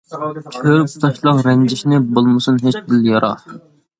چۆرۈپ تاشلاڭ رەنجىشنى، بولمىسۇن ھېچ دىل يارا.